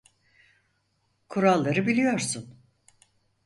Kuralları biliyorsun.